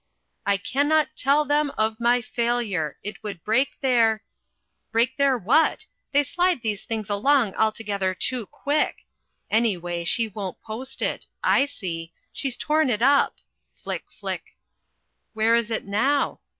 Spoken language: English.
"I CANNOT TELL THEM OF MY FAILURE. IT WOULD BREAK THEIR ..." Break their what? They slide these things along altogether too quick anyway, she won't post it I see she's torn it up Flick, flick! Where is it now?